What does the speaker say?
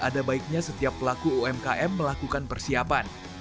ada baiknya setiap pelaku umkm melakukan persiapan